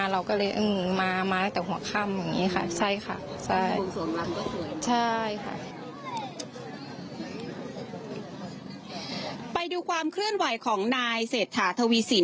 เราก็เลยอืมมามาแต่หัวข้ำอย่างนี้ค่ะใช่ค่ะใช่